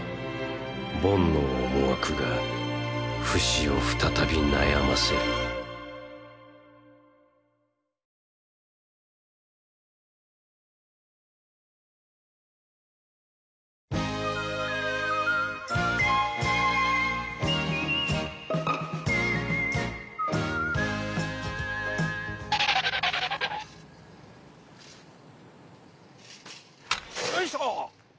ボンの思惑がフシを再び悩ませるよいしょ！